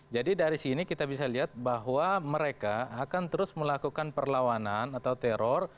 jadi dari sini kita bisa lihat bahwa mereka akan terus melakukan perlawanan atau teror